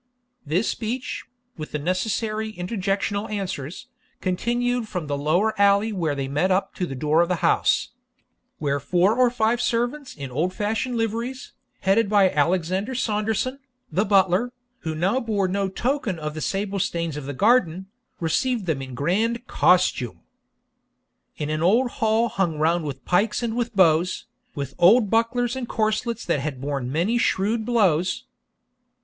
This speech, with the necessary interjectional answers, continued from the lower alley where they met up to the door of the house, where four or five servants in old fashioned liveries, headed by Alexander Saunderson, the butler, who now bore no token of the sable stains of the garden, received them in grand COSTUME, In an old hall hung round with pikes and with bows, With old bucklers and corslets that had borne many shrewd blows.